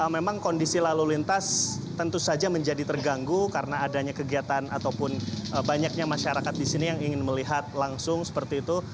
memang kondisi lalu lintas tentu saja menjadi terganggu karena adanya kegiatan ataupun banyaknya masyarakat di sini yang ingin melihat langsung seperti itu